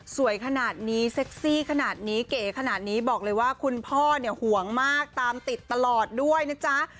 สวยขนาดนี้เซ็กซี่ขนาดนี้เก๋ขนาดนี้บอกเลยว่าคุณพ่อเนี่ยห่วงมากตามติดตลอดด้วยนะจ๊ะ